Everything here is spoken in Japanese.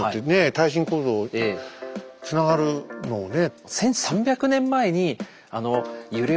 耐震構造につながるのをね。